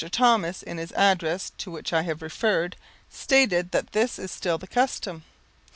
Thomas in his address to which I have referred stated that this is still the custom.